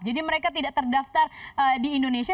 jadi mereka tidak terdaftar di indonesia